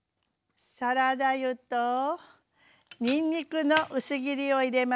サラダ油とにんにくの薄切りを入れましょうか。